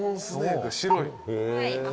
白い。